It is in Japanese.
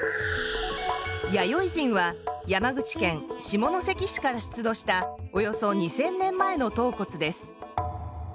弥生人は山口県下関市から出土したおよそ２，０００年前の頭骨です。